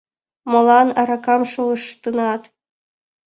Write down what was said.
Молан аракам шолыштынат?